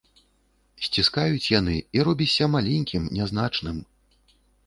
Сціскаюць яны, і робішся маленькім, нязначным.